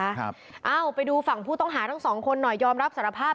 เอ้าไปดูฝั่งผู้ต้องหาทั้งสองคนหน่อยยอมรับสารภาพ